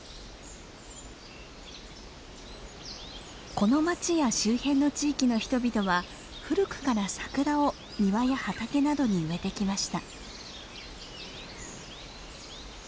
この町や周辺の地域の人々は古くからサクラを庭や畑などに植えてきました。